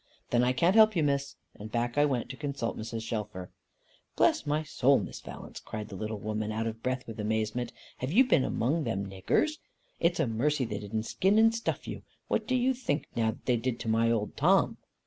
"Then I cant help you, Miss." And back I went to consult Mrs. Shelfer. "Bless my soul, Miss Valence," cried the little woman, out of breath with amazement, "have you been among them niggers? It's a mercy they didn't skin and stuff you. What do you think now they did to my old Tom?"